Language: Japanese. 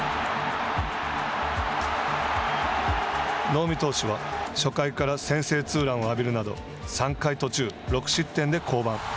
能見投手は初回から先制ツーランを浴びるなど３回途中６失点で降板。